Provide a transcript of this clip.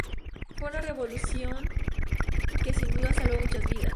Fue una revolución que sin duda salvó muchas vidas.